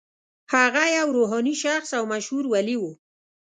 هغه یو روحاني شخص او مشهور ولي و.